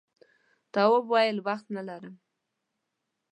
تواب وویل وخت نه لرم.